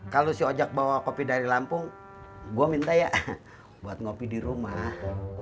kalau si ojek bawa kopi dari lampung gue minta ya buat ngopi di rumah